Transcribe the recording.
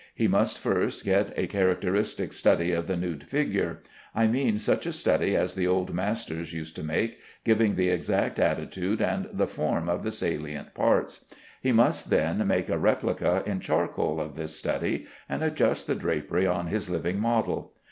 He must first get a characteristic study of the nude figure. I mean such a study as the old masters used to make, giving the exact attitude and the form of the salient parts. He must then make a replica in charcoal of this study and adjust the drapery on his living model.